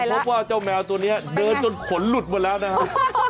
พบว่าเจ้าแมวตัวนี้เดินจนขนหลุดหมดแล้วนะครับ